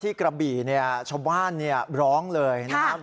กระบี่เนี่ยชาวบ้านร้องเลยนะครับ